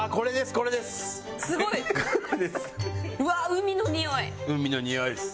海のにおいです。